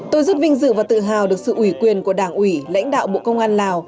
tôi rất vinh dự và tự hào được sự ủy quyền của đảng ủy lãnh đạo bộ công an lào